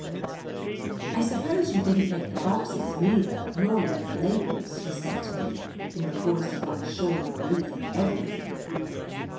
"I suppose you didn't make the boxes neither, nor yet the labels," he said to me in the voice of one shorn of belief in everything.